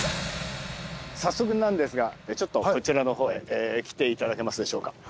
早速なんですがちょっとこちらのほうへ来て頂けますでしょうか。